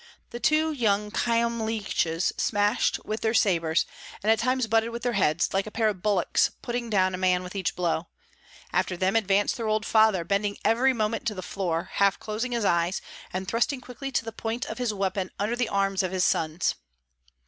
The two young Kyemliches slashed with their sabres, and at times butted with their heads, like a pair of bullocks, putting down a man with each blow; after them advanced their old father, bending every moment to the floor, half closing his eyes, and thrusting quickly the point of his weapon under the arms of his sons.